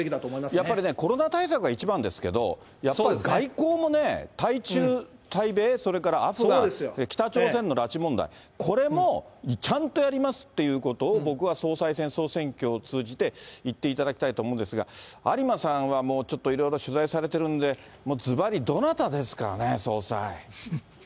やっぱりね、コロナ対策が一番ですけど、やっぱり外交もね、対中、対米、それから北朝鮮の拉致問題、これもちゃんとやりますっていうことを、僕は総裁選、総選挙を通じて言っていただきたいと思うんですが、有馬さんは、もうちょっといろいろ取材されてるんで、ずばり、どなたですかね、総裁。